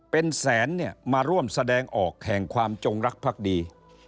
เป็นแสนเนี่ยมาร่วมแสดงออกแห่งความจงรักภักดี